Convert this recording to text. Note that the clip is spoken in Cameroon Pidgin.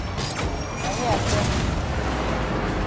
Na me I send yi for dey.